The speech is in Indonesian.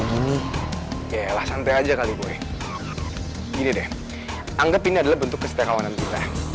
gini deh anggap ini adalah bentuk keseterawanan kita